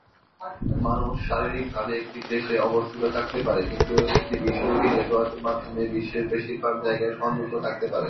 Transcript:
মানুষ শারীরিকভাবে একটি দেশে অবস্থিত থাকতে পারে, কিন্তু একটি বিশ্বব্যাপী নেটওয়ার্কের মাধ্যমে বিশ্বের বেশিরভাগ যায়গায় সংযুক্ত থাকতে পারে।